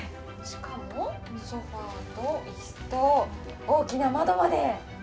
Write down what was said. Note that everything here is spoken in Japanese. しかも、ソファーと椅子と大きな窓まで。